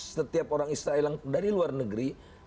setiap orang israel yang dari luar negeri